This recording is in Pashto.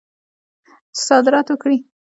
چې صادرات وکړي.